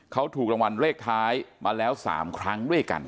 เขาถูกรางวัลเลขท้ายมาแล้ว๓ครั้งด้วยกัน